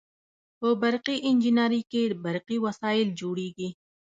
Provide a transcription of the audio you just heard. په برقي انجنیری کې برقي وسایل جوړیږي.